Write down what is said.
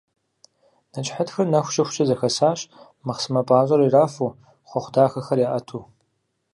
Нэчыхьытхыр нэху щыхукӏэ зэхэсащ, мэхъсымэ пӏащӏэр ирафу, хъуэхъу дахэхэр яӏэту.